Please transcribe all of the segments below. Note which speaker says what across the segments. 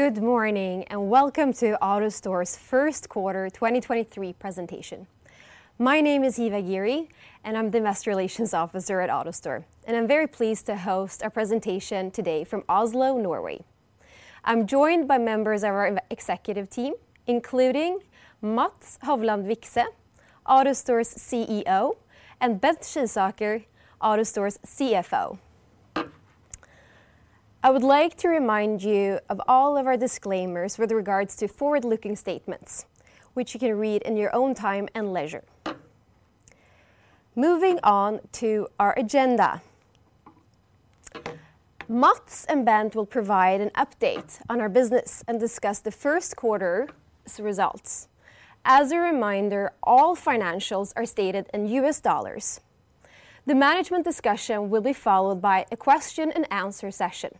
Speaker 1: Good morning, welcome to AutoStore's first quarter 2023 presentation. My name is Hiva Ghiri, and I'm the Investor Relations Officer at AutoStore, and I'm very pleased to host our presentation today from Oslo, Norway. I'm joined by members of our executive team, including Mats Hovland Vikse, AutoStore's CEO, and Bent Skisaker, AutoStore's CFO. I would like to remind you of all of our disclaimers with regards to forward-looking statements, which you can read in your own time and leisure. Moving on to our agenda. Mats and Bent will provide an update on our business and discuss the first quarter's results. As a reminder, all financials are stated in U.S. dollars. The management discussion will be followed by a question and answer session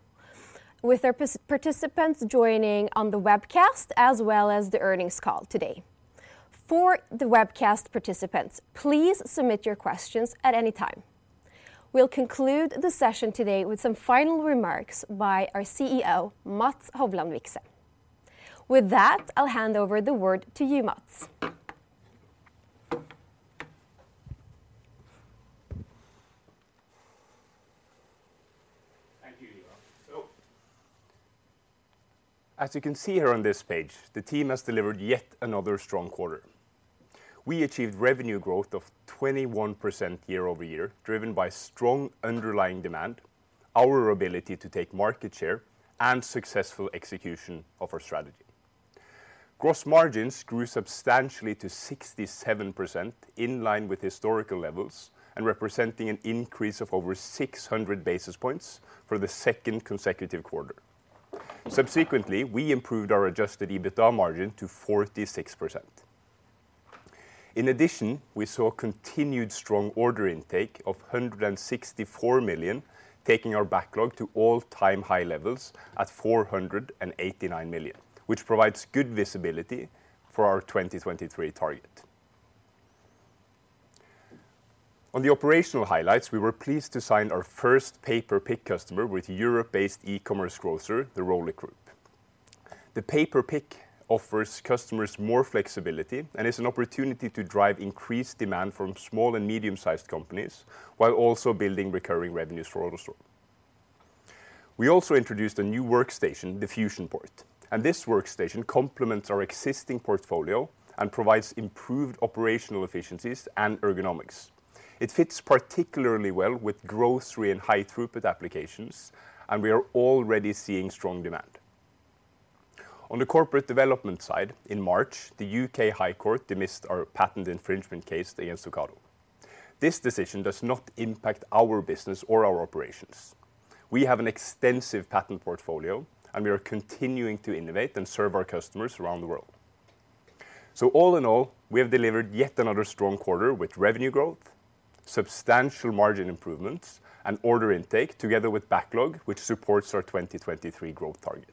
Speaker 1: with our participants joining on the webcast, as well as the earnings call today. For the webcast participants, please submit your questions at any time. We'll conclude the session today with some final remarks by our CEO, Mats Hovland Vikse. With that, I'll hand over the word to you, Mats.
Speaker 2: Thank you, Hiva. As you can see here on this page, the team has delivered yet another strong quarter. We achieved revenue growth of 21% year-over-year, driven by strong underlying demand, our ability to take market share, and successful execution of our strategy. Gross margins grew substantially to 67% in line with historical levels and representing an increase of over 600 basis points for the second consecutive quarter. Subsequently, we improved our Adjusted EBITDA margin to 46%. In addition, we saw continued strong order intake of $164 million, taking our backlog to all-time high levels at $489 million, which provides good visibility for our 2023 target. On the operational highlights, we were pleased to sign our first pay-per-pick customer with Europe-based e-commerce grocer, the Rohlik Group. The pay-per-pick offers customers more flexibility and is an opportunity to drive increased demand from small and medium-sized companies, while also building recurring revenues for AutoStore. We also introduced a new workstation, the FusionPort. This workstation complements our existing portfolio and provides improved operational efficiencies and ergonomics. It fits particularly well with grocery and high throughput applications, and we are already seeing strong demand. On the corporate development side, in March, the U.K. High Court dismissed our patent infringement case against Ocado. This decision does not impact our business or our operations. We have an extensive patent portfolio, and we are continuing to innovate and serve our customers around the world. All in all, we have delivered yet another strong quarter with revenue growth, substantial margin improvements, and order intake together with backlog, which supports our 2023 growth target.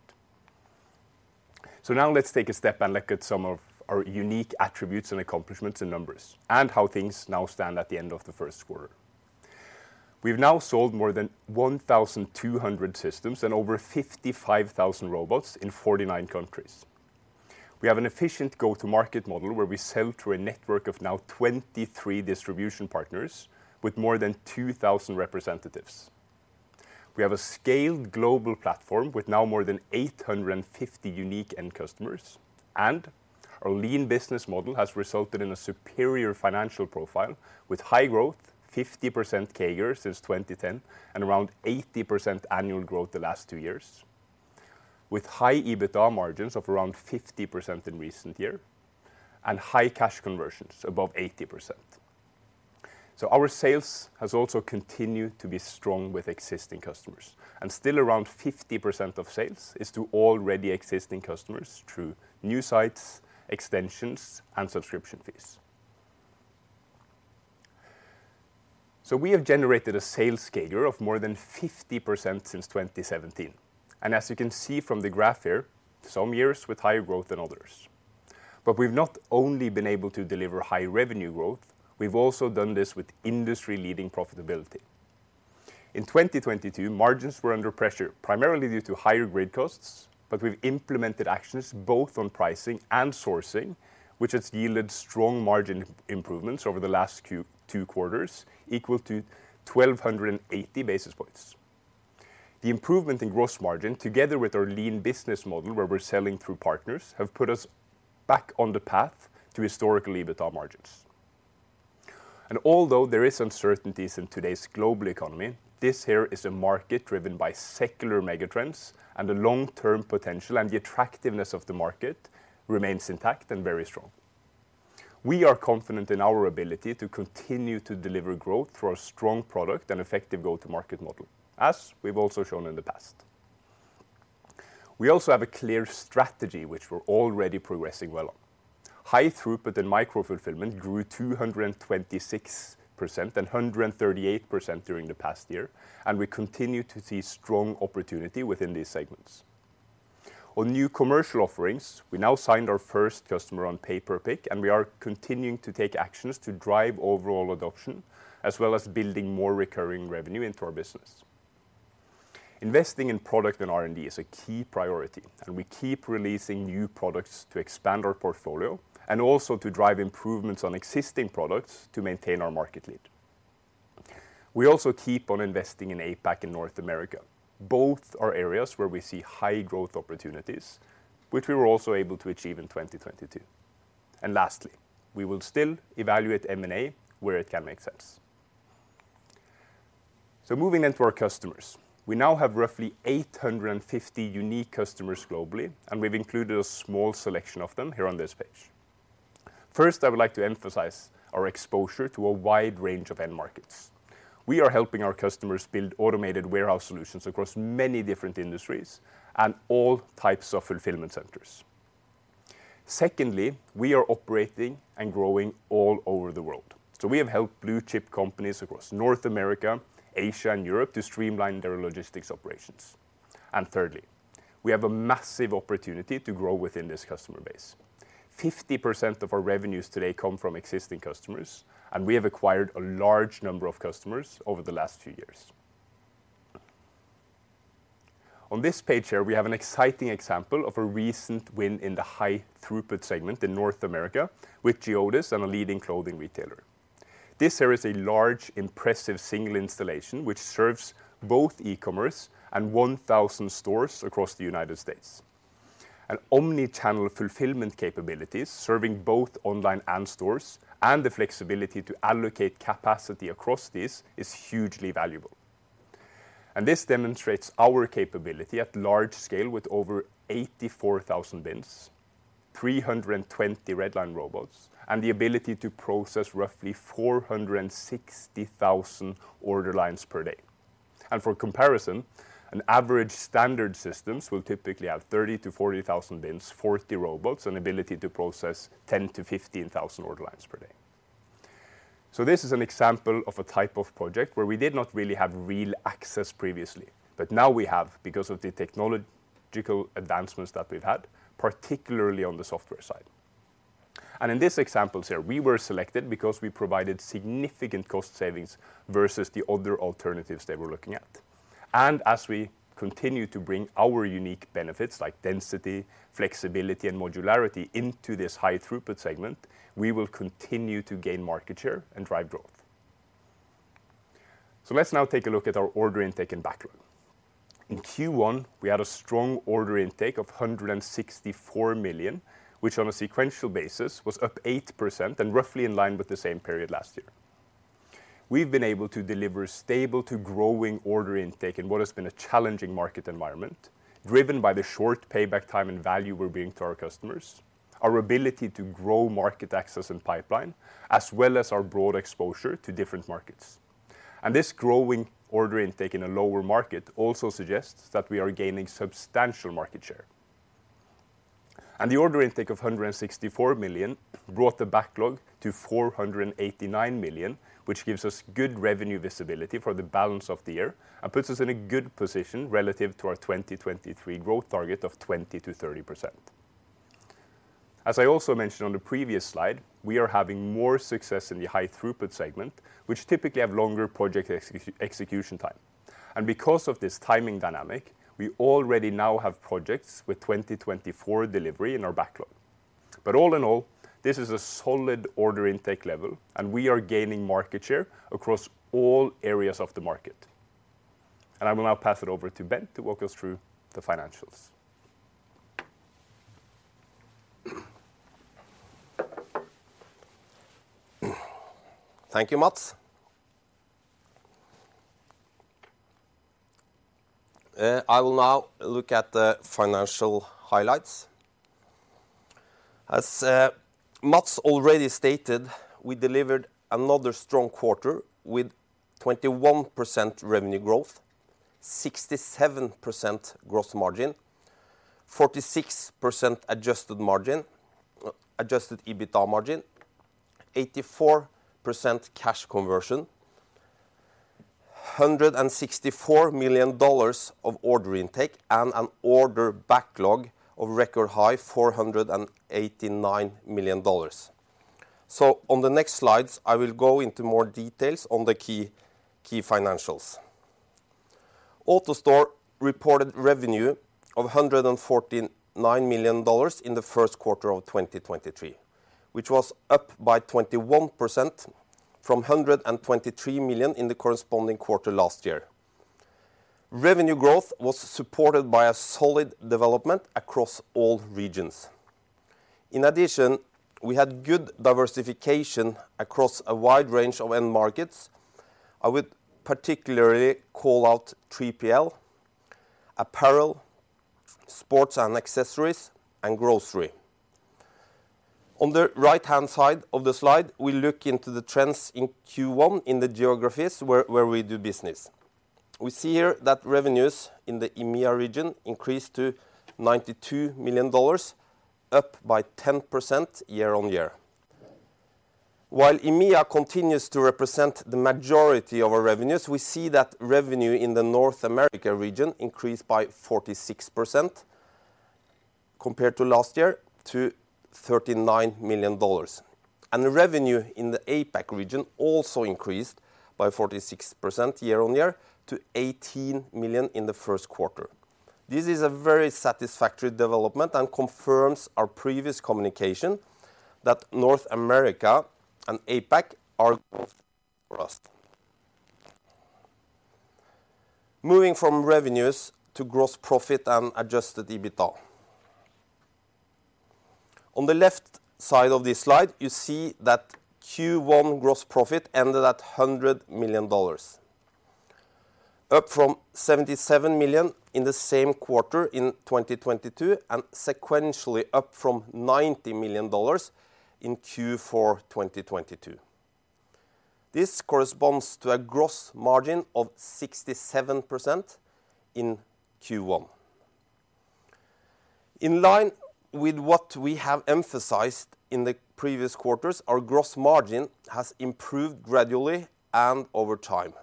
Speaker 2: Now let's take a step and look at some of our unique attributes and accomplishments and numbers and how things now stand at the end of the first quarter. We've now sold more than 1,200 systems and over 55,000 robots in 49 countries. We have an efficient go-to-market model where we sell through a network of now 23 distribution partners with more than 2,000 representatives. We have a scaled global platform with now more than 850 unique end customers, and our lean business model has resulted in a superior financial profile with high growth, 50% CAGR since 2010, and around 80% annual growth the last two years, with high EBITDA margins of around 50% in recent year and high cash conversions above 80%. Our sales has also continued to be strong with existing customers, and still around 50% of sales is to already existing customers through new sites, extensions, and subscription fees. We have generated a sales CAGR of more than 50% since 2017. As you can see from the graph here, some years with higher growth than others. We've not only been able to deliver high revenue growth, we've also done this with industry-leading profitability. In 2022, margins were under pressure, primarily due to higher grid costs, but we've implemented actions both on pricing and sourcing, which has yielded strong margin improvements over the last two quarters, equal to 1,280 basis points. The improvement in gross margin, together with our lean business model, where we're selling through partners, have put us back on the path to historical EBITDA margins. Although there is uncertainties in today's global economy, this here is a market driven by secular mega trends and the long-term potential and the attractiveness of the market remains intact and very strong. We are confident in our ability to continue to deliver growth through our strong product and effective go-to-market model, as we've also shown in the past. We also have a clear strategy which we're already progressing well on. High throughput and micro-fulfillment grew 226% and 138% during the past year, and we continue to see strong opportunity within these segments. On new commercial offerings, we now signed our first customer on pay-per-pick, we are continuing to take actions to drive overall adoption, as well as building more recurring revenue into our business. Investing in product and R&D is a key priority, we keep releasing new products to expand our portfolio and also to drive improvements on existing products to maintain our market lead. We also keep on investing in APAC and North America. Both are areas where we see high growth opportunities, which we were also able to achieve in 2022. Lastly, we will still evaluate M&A where it can make sense. Moving then to our customers. We now have roughly 850 unique customers globally, and we've included a small selection of them here on this page. First, I would like to emphasize our exposure to a wide range of end markets. We are helping our customers build automated warehouse solutions across many different industries and all types of fulfillment centers. Secondly, we are operating and growing all over the world. We have helped blue-chip companies across North America, Asia, and Europe to streamline their logistics operations. Thirdly, we have a massive opportunity to grow within this customer base. 50% of our revenues today come from existing customers, and we have acquired a large number of customers over the last few years. On this page here, we have an exciting example of a recent win in the high-throughput segment in North America with Geodis and a leading clothing retailer. This here is a large, impressive single installation which serves both e-commerce and 1,000 stores across the United States. An omni-channel fulfillment capabilities serving both online and stores and the flexibility to allocate capacity across this is hugely valuable. This demonstrates our capability at large scale with over 84,000 bins, 320 Red Line robots, and the ability to process roughly 460,000 order lines per day. For comparison, an average standard systems will typically have 30,000-40,000 bins, 40 robots, and ability to process 10,000-15,000 order lines per day. This is an example of a type of project where we did not really have real access previously, but now we have because of the technological advancements that we've had, particularly on the software side. In this example here, we were selected because we provided significant cost savings versus the other alternatives they were looking at. As we continue to bring our unique benefits like density, flexibility, and modularity into this high-throughput segment, we will continue to gain market share and drive growth. Let's now take a look at our order intake and backlog. In Q1, we had a strong order intake of $164 million, which on a sequential basis was up 8% and roughly in line with the same period last year. We've been able to deliver stable to growing order intake in what has been a challenging market environment, driven by the short payback time and value we're bringing to our customers, our ability to grow market access and pipeline, as well as our broad exposure to different markets. This growing order intake in a lower market also suggests that we are gaining substantial market share. The order intake of $164 million brought the backlog to $489 million, which gives us good revenue visibility for the balance of the year and puts us in a good position relative to our 2023 growth target of 20%-30%. As I also mentioned on the previous slide, we are having more success in the high-throughput segment, which typically have longer project execution time. Because of this timing dynamic, we already now have projects with 2024 delivery in our backlog. All in all, this is a solid order intake level, and we are gaining market share across all areas of the market. I will now pass it over to Bent to walk us through the financials.
Speaker 3: Thank you, Mats. I will now look at the financial highlights. As Mats already stated, we delivered another strong quarter with 21% revenue growth, 67% gross margin, 46% adjusted margin, Adjusted EBITDA margin, 84% cash conversion, $164 million of order intake, and an order backlog of record high $489 million. On the next slides, I will go into more details on the key financials. AutoStore reported revenue of $149 million in the first quarter of 2023, which was up by 21% from $123 million in the corresponding quarter last year. Revenue growth was supported by a solid development across all regions. In addition, we had good diversification across a wide range of end markets. I would particularly call out 3PL, apparel, sports and accessories, and grocery. On the right-hand side of the slide, we look into the trends in Q1 in the geographies where we do business. We see here that revenues in the EMEA region increased to $92 million, up by 10% year-on-year. While EMEA continues to represent the majority of our revenues, we see that revenue in the North America region increased by 46%. Compared to last year to $39 million. The revenue in the APAC region also increased by 46% year-on-year to $18 million in the first quarter. This is a very satisfactory development and confirms our previous communication that North America and APAC are. Moving from revenues to gross profit and Adjusted EBITDA. On the left side of this slide, you see that Q1 gross profit ended at $100 million, up from $77 million in the same quarter in 2022, sequentially up from $90 million in Q4 2022. This corresponds to a gross margin of 67% in Q1. In line with what we have emphasized in the previous quarters, our gross margin has improved gradually and over time.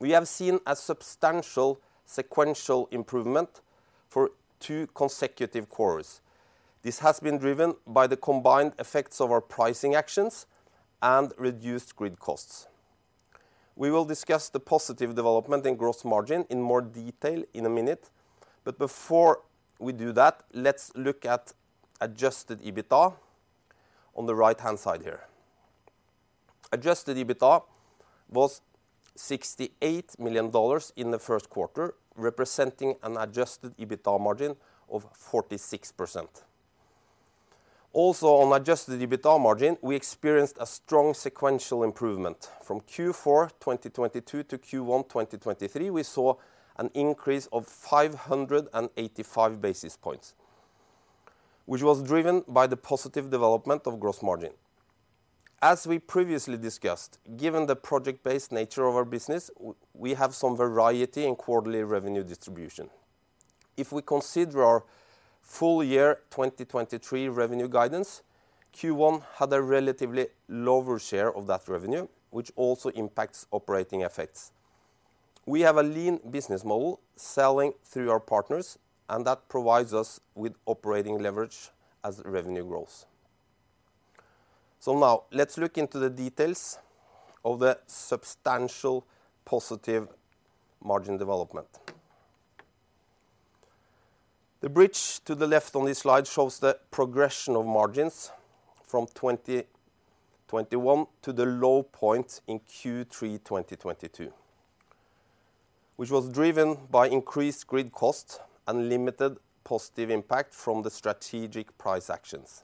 Speaker 3: We have seen a substantial sequential improvement for two consecutive quarters. This has been driven by the combined effects of our pricing actions and reduced grid costs. We will discuss the positive development in gross margin in more detail in a minute, before we do that, let's look at Adjusted EBITDA on the right-hand side here. Adjusted EBITDA was $68 million in the first quarter, representing an Adjusted EBITDA margin of 46%. On Adjusted EBITDA margin, we experienced a strong sequential improvement. From Q4 2022 to Q1 2023, we saw an increase of 585 basis points, which was driven by the positive development of gross margin. As we previously discussed, given the project-based nature of our business, we have some variety in quarterly revenue distribution. If we consider our full year 2023 revenue guidance, Q1 had a relatively lower share of that revenue, which also impacts operating effects. We have a lean business model selling through our partners, that provides us with operating leverage as revenue grows. Now let's look into the details of the substantial positive margin development. The bridge to the left on this slide shows the progression of margins from 2021 to the low point in Q3 2022, which was driven by increased grid costs and limited positive impact from the strategic price actions.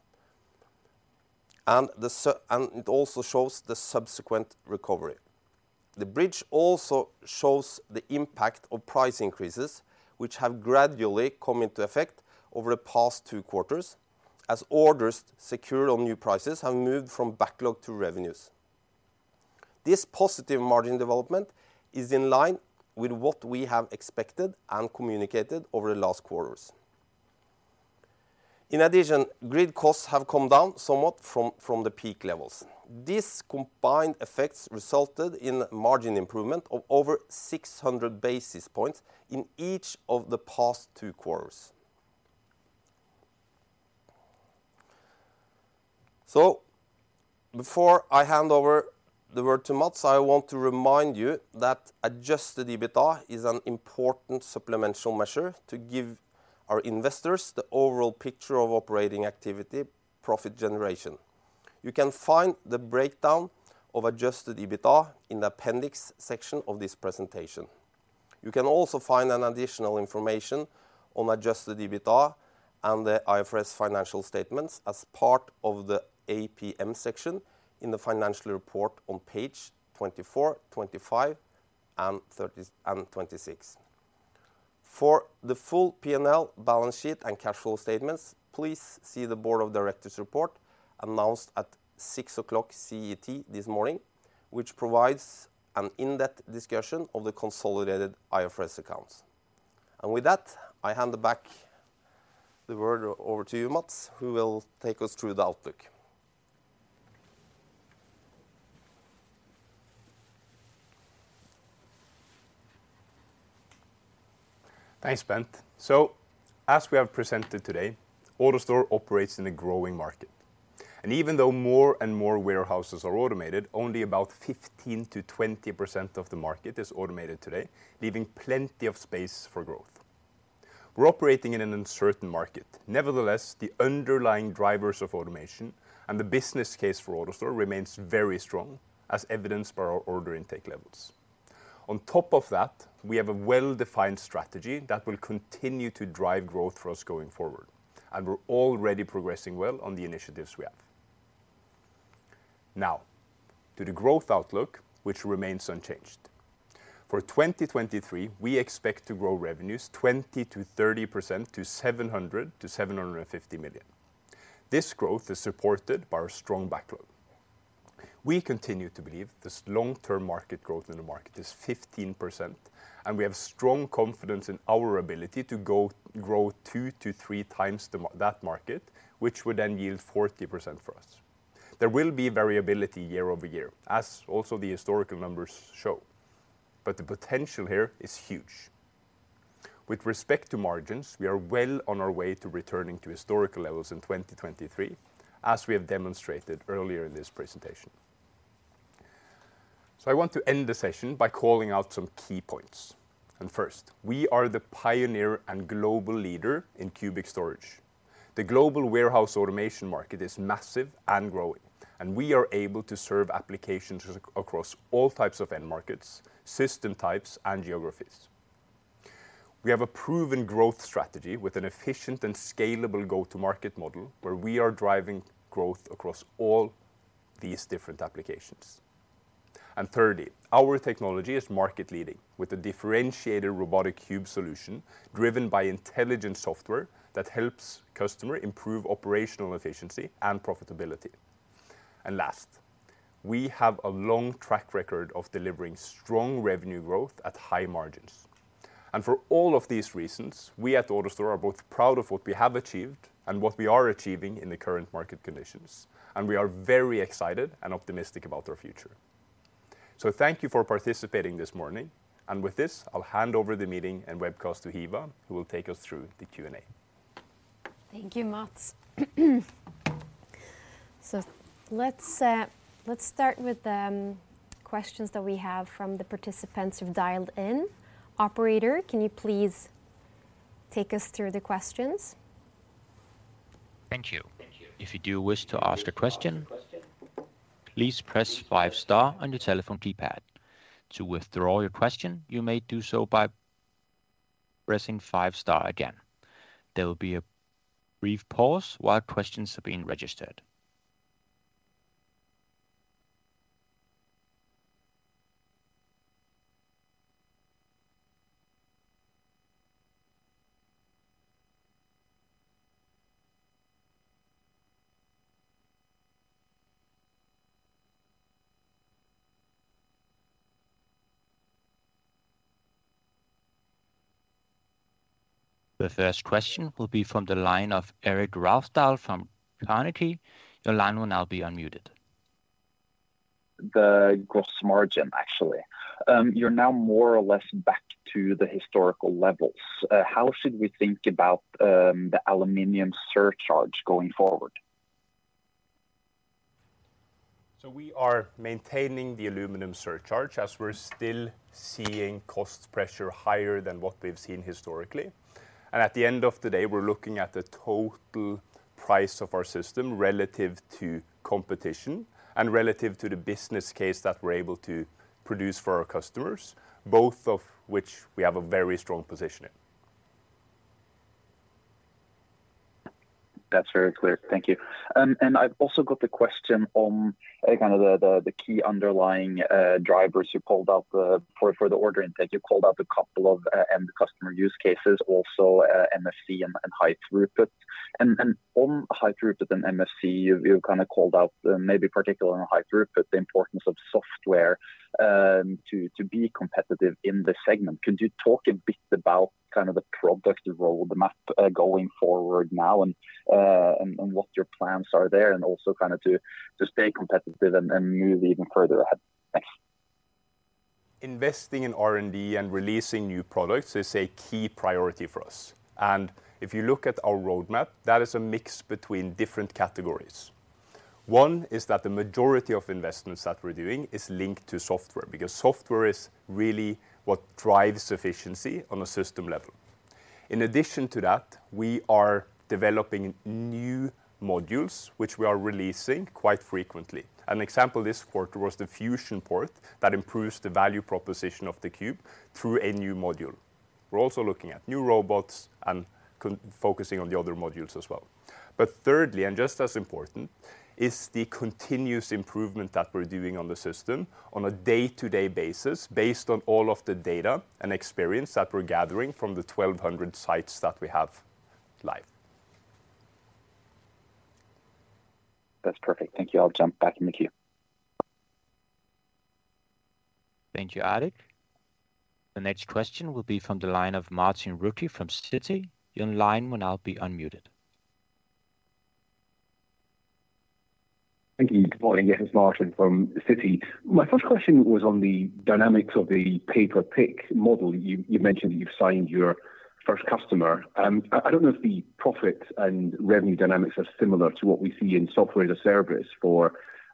Speaker 3: It also shows the subsequent recovery. The bridge also shows the impact of price increases, which have gradually come into effect over the past two quarters as orders secured on new prices have moved from backlog to revenues. This positive margin development is in line with what we have expected and communicated over the last quarters. In addition, grid costs have come down somewhat from the peak levels. These combined effects resulted in margin improvement of over 600 basis points in each of the past two quarters. Before I hand over the word to Mats, I want to remind you that Adjusted EBITDA is an important supplemental measure to give our investors the overall picture of operating activity profit generation. You can find the breakdown of Adjusted EBITDA in the appendix section of this presentation. You can also find an additional information on Adjusted EBITDA and the IFRS financial statements as part of the APM section in the financial report on page 24, 25 and 26. For the full P&L balance sheet and cash flow statements, please see the Board of Directors report announced at 6:00 A.M. CET this morning, which provides an in-depth discussion of the consolidated IFRS accounts. With that, I hand back the word over to you, Mats, who will take us through the outlook.
Speaker 2: Thanks, Bent. As we have presented today, AutoStore operates in a growing market, and even though more and more warehouses are automated, only about 15%-20% of the market is automated today, leaving plenty of space for growth. We're operating in an uncertain market. Nevertheless, the underlying drivers of automation and the business case for AutoStore remains very strong, as evidenced by our order intake levels. On top of that, we have a well-defined strategy that will continue to drive growth for us going forward, and we're already progressing well on the initiatives we have. To the growth outlook, which remains unchanged. For 2023, we expect to grow revenues 20%-30% to $700 million-$750 million. This growth is supported by our strong backlog. We continue to believe this long-term market growth in the market is 15%, and we have strong confidence in our ability to grow 2 to 3x that market, which would then yield 40% for us. There will be variability year-over-year as also the historical numbers show. The potential here is huge. With respect to margins, we are well on our way to returning to historical levels in 2023, as we have demonstrated earlier in this presentation. I want to end the session by calling out some key points. First, we are the pioneer and global leader in cubic storage. The global warehouse automation market is massive and growing, and we are able to serve applications across all types of end markets, system types, and geographies. We have a proven growth strategy with an efficient and scalable go-to-market model, where we are driving growth across all these different applications. Thirdly, our technology is market-leading with a differentiated robotic cube solution driven by intelligent software that helps customer improve operational efficiency and profitability. Last, we have a long track record of delivering strong revenue growth at high margins. For all of these reasons, we at AutoStore are both proud of what we have achieved and what we are achieving in the current market conditions, and we are very excited and optimistic about our future. Thank you for participating this morning, and with this, I'll hand over the meeting and webcast to Hiva, who will take us through the Q&A.
Speaker 1: Thank you, Mats. Let's start with questions that we have from the participants who've dialed in. Operator, can you please take us through the questions?
Speaker 4: Thank you. If you do wish to ask a question, please press five star on your telephone keypad. To withdraw your question, you may do so by pressing five star again. There will be a brief pause while questions are being registered. The first question will be from the line of Erik Hultgård from Carnegie. Your line will now be unmuted.
Speaker 5: The gross margin, actually. You're now more or less back to the historical levels. How should we think about the aluminum surcharge going forward?
Speaker 2: We are maintaining the aluminum surcharge, as we're still seeing cost pressure higher than what we've seen historically. At the end of the day, we're looking at the total price of our system relative to competition and relative to the business case that we're able to produce for our customers, both of which we have a very strong position in.
Speaker 5: That's very clear. Thank you. I've also got the question on kind of the key underlying drivers you called out for the order intake. You called out a couple of end customer use cases also, MFC and high throughput. On high throughput and MFC, you kind of called out, maybe particularly on high throughput, the importance of software to be competitive in this segment. Could you talk a bit about kind of the product roadmap going forward now and what your plans are there, and also kind of to stay competitive and move even further ahead? Thanks.
Speaker 2: Investing in R&D and releasing new products is a key priority for us. If you look at our roadmap, that is a mix between different categories. One is that the majority of investments that we're doing is linked to software, because software is really what drives efficiency on a system level. In addition to that, we are developing new modules which we are releasing quite frequently. An example this quarter was the FusionPort that improves the value proposition of the cube through a new module. We're also looking at new robots and focusing on the other modules as well. Thirdly, and just as important, is the continuous improvement that we're doing on the system on a day-to-day basis based on all of the data and experience that we're gathering from the 1,200 sites that we have live.
Speaker 5: That's perfect. Thank you. I'll jump back in the queue.
Speaker 4: Thank you, Erik. The next question will be from the line of Martin Wilkie from Citi. Your line will now be unmuted.
Speaker 6: Thank you. Good morning. Yes, Martin from Citi. My first question was on the dynamics of the pay-per-pick model. You mentioned that you've signed your first customer. I don't know if the profit and revenue dynamics are similar to what we see in Software as a Service for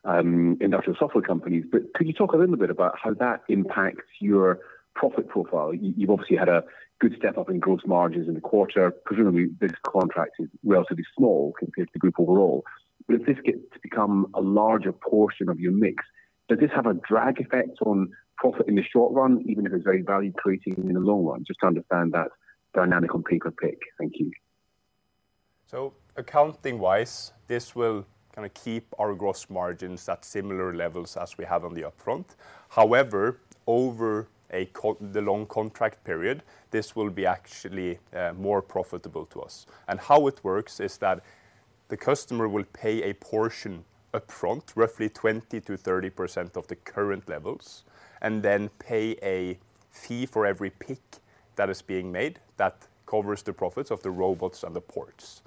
Speaker 6: industrial software companies, but could you talk a little bit about how that impacts your profit profile? You've obviously had a good step up in gross margins in the quarter. Presumably, this contract is relatively small compared to the group overall. If this gets to become a larger portion of your mix, does this have a drag effect on profit in the short run, even if it's very value creating in the long run? Just to understand that dynamic on pay-per-pick. Thank you.
Speaker 2: Accounting-wise, this will kind of keep our gross margins at similar levels as we have on the upfront. However, over the long contract period, this will be actually more profitable to us. How it works is that the customer will pay a portion upfront, roughly 20%-30% of the current levels, and then pay a fee for every pick that is being made that covers the profits of the robots and the ports.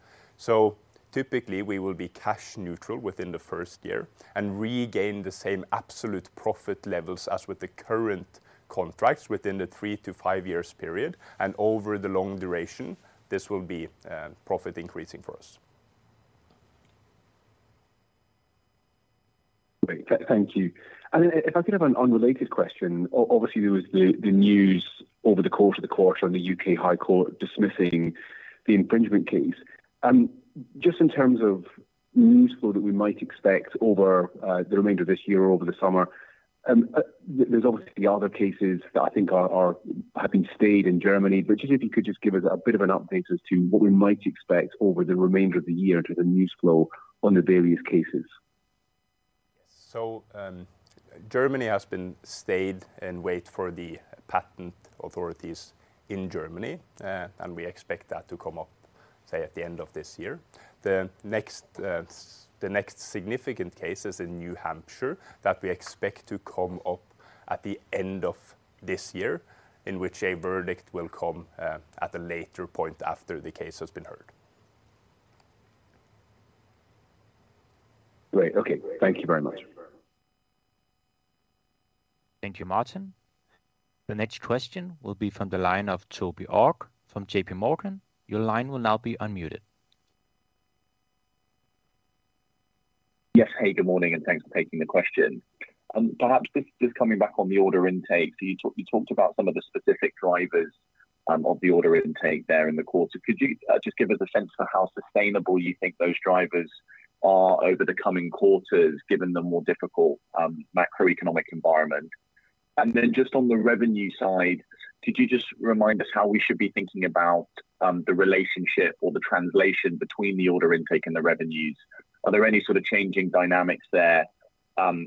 Speaker 2: Typically, we will be cash neutral within the first year and regain the same absolute profit levels as with the current contracts within the 3-5 years period. Over the long duration, this will be profit increasing for us.
Speaker 6: Great. Thank you. If I could have an unrelated question. Obviously, there was the news over the course of the quarter on the UK High Court dismissing the infringement case. Just in terms of news flow that we might expect over the remainder of this year or over the summer, there's obviously other cases that I think are have been stayed in Germany. Just if you could just give us a bit of an update as to what we might expect over the remainder of the year to the news flow on the various cases.
Speaker 2: Germany has been stayed and wait for the patent authorities in Germany. We expect that to come up, say, at the end of this year. The next significant case is in New Hampshire that we expect to come up at the end of this year, in which a verdict will come at a later point after the case has been heard.
Speaker 6: Great. Okay. Thank you very much.
Speaker 4: Thank you, Martin. The next question will be from the line of Toby Ogg from JP Morgan. Your line will now be unmuted.
Speaker 7: Yes. Hey, good morning, and thanks for taking the question. Perhaps this is coming back on the order intake. You talked about some of the specific drivers of the order intake there in the quarter. Could you just give us a sense for how sustainable you think those drivers are over the coming quarters, given the more difficult macroeconomic environment? Then just on the revenue side, could you just remind us how we should be thinking about the relationship or the translation between the order intake and the revenues? Are there any sort of changing dynamics there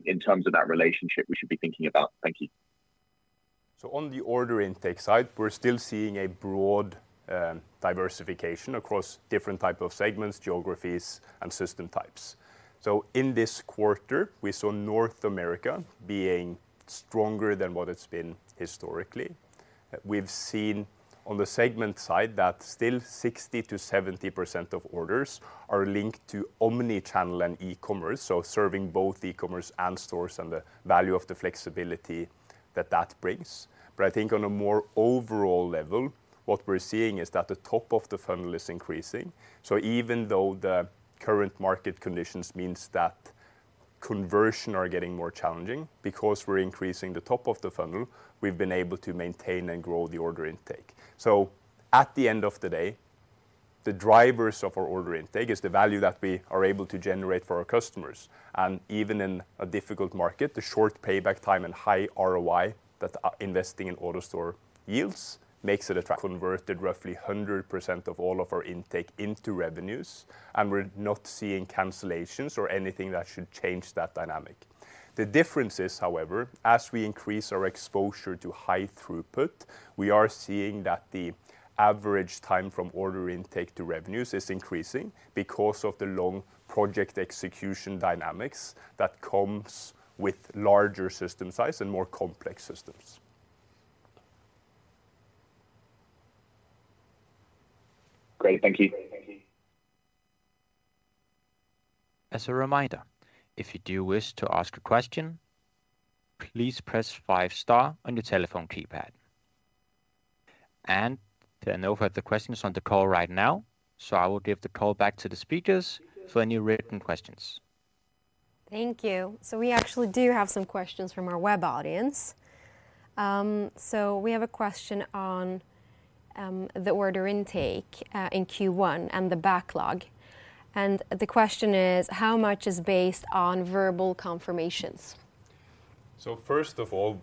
Speaker 7: in terms of that relationship we should be thinking about? Thank you.
Speaker 2: On the order intake side, we're still seeing a broad diversification across different type of segments, geographies and system types. In this quarter, we saw North America being stronger than what it's been historically. We've seen on the segment side that still 60%-70% of orders are linked to omni-channel and e-commerce, so serving both e-commerce and stores and the value of the flexibility that that brings. I think on a more overall level, what we're seeing is that the top of the funnel is increasing. Even though the current market conditions means that conversion are getting more challenging, because we're increasing the top of the funnel, we've been able to maintain and grow the order intake. At the end of the day, the drivers of our order intake is the value that we are able to generate for our customers. Even in a difficult market, the short payback time and high ROI that investing in AutoStore yields makes it attract converted roughly 100% of all of our intake into revenues, and we're not seeing cancellations or anything that should change that dynamic. The difference is, however, as we increase our exposure to high throughput, we are seeing that the average time from order intake to revenues is increasing because of the long project execution dynamics that comes with larger system size and more complex systems.
Speaker 7: Great. Thank you.
Speaker 4: As a reminder, if you do wish to ask a question, please press five star on your telephone keypad. There are no further questions on the call right now, so I will give the call back to the speakers for any written questions.
Speaker 1: Thank you. We actually do have some questions from our web audience. We have a question on the order intake in Q1 and the backlog. The question is, how much is based on verbal confirmations?
Speaker 2: First of all,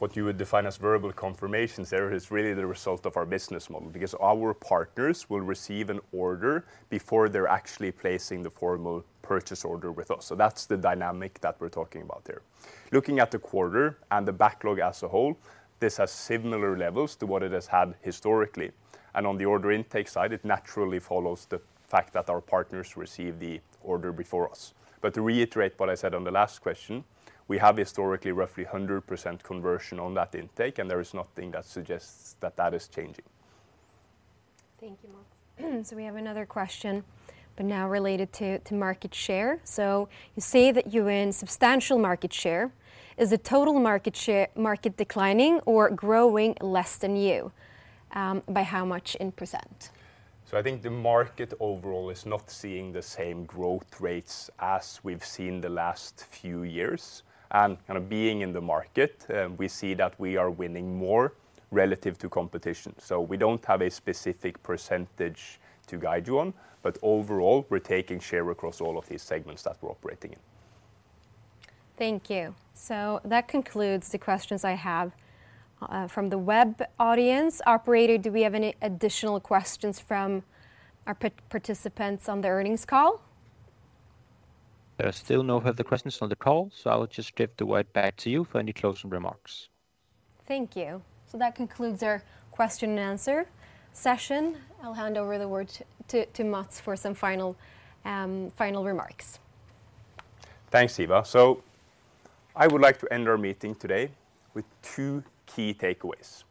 Speaker 2: what you would define as verbal confirmations there is really the result of our business model, because our partners will receive an order before they're actually placing the formal purchase order with us. That's the dynamic that we're talking about there. Looking at the quarter and the backlog as a whole, this has similar levels to what it has had historically. On the order intake side, it naturally follows the fact that our partners receive the order before us. To reiterate what I said on the last question, we have historically roughly 100% conversion on that intake, and there is nothing that suggests that that is changing.
Speaker 1: Thank you, Mats. We have another question, but now related to market share. You say that you're in substantial market share. Is the total market share market declining or growing less than you? By how much in %?
Speaker 2: I think the market overall is not seeing the same growth rates as we've seen the last few years. Kind of being in the market, we see that we are winning more relative to competition. We don't have a specific percentage to guide you on, but overall, we're taking share across all of these segments that we're operating in.
Speaker 1: Thank you. That concludes the questions I have from the web audience. Operator, do we have any additional questions from our participants on the earnings call?
Speaker 4: There are still no further questions on the call, so I'll just give the word back to you for any closing remarks.
Speaker 1: Thank you. That concludes our question and answer session. I'll hand over the word to Mats for some final remarks.
Speaker 2: Thanks, Hiva. I would like to end our meeting today with two key takeaways.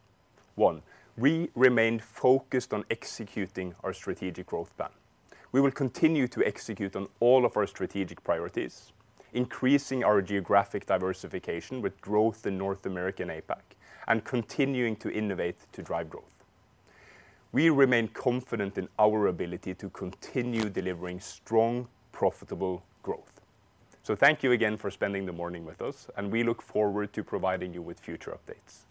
Speaker 2: One, we remain focused on executing our strategic growth plan. We will continue to execute on all of our strategic priorities, increasing our geographic diversification with growth in North American APAC and continuing to innovate to drive growth. We remain confident in our ability to continue delivering strong, profitable growth. Thank you again for spending the morning with us, and we look forward to providing you with future updates.